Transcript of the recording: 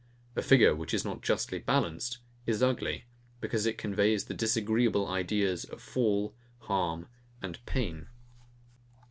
A figure, which is not justly balanced, is ugly; because it conveys the disagreeable ideas of fall, harm, and pain.